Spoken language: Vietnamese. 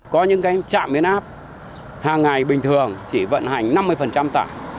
có những trạm biến áp hàng ngày bình thường chỉ vận hành năm mươi tải